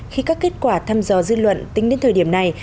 khi các kết quả thăm dò dư luận tính đến thời điểm này